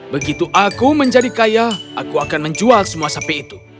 begitu aku menjadi kaya aku akan menjual semua sapi itu